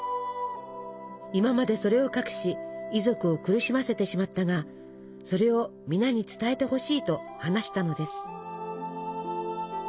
今までそれを隠し遺族を苦しませてしまったがそれを皆に伝えてほしいと話したのです。